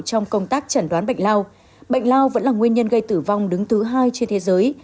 trong công tác chẩn đoán bệnh lao bệnh lao vẫn là nguyên nhân gây tử vong đứng thứ hai trên thế giới